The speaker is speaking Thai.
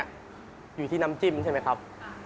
อยู่ที่น้ำจิ้มใช่ไหมครับ